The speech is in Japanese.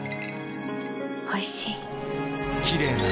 おいしい。